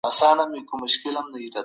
په نړۍ کي د ظلم مخه ونیسئ.